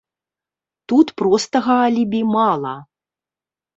Тут простага алібі мала.